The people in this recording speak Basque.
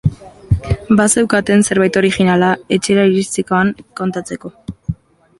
Bazeukaten zerbait originala etxera iritsitakoan kontatzeko.